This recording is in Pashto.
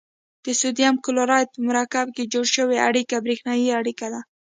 د سوډیم کلورایډ په مرکب کې جوړه شوې اړیکه بریښنايي اړیکه ده.